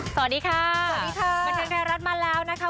สวัสดีค่ะสวัสดีค่ะสวัสดีค่ะบรรเทิร์นไทยรัฐมาแล้วนะคะ